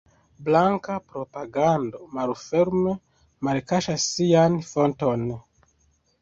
Blanka propagando malferme malkaŝas sian fonton.